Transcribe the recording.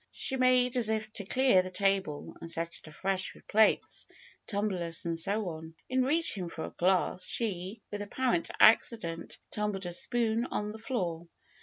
She made as if to clear the table and set it afresh with plates, tumblers, and so on. In reaching for a glass, she, with apparent accident, tumbled a spoon on the floor.